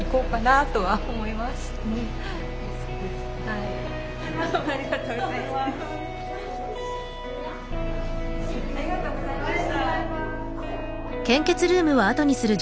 ありがとうございます。